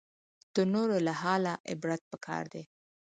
د نورو له حاله عبرت پکار دی